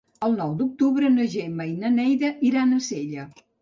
El nou d'octubre na Gemma i na Neida iran a Sella.